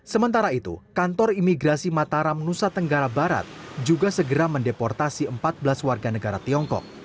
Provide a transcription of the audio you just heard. sementara itu kantor imigrasi mataram nusa tenggara barat juga segera mendeportasi empat belas warga negara tiongkok